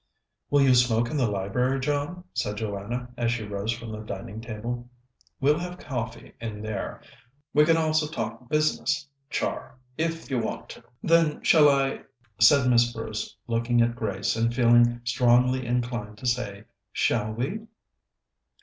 "Will you smoke in the library, John?" said Joanna as she rose from the dining table. "We'll have coffee there. We can also talk business, Char, if you want to." "Then, shall I ?" said Miss Bruce, looking at Grace and feeling strongly inclined to say "Shall we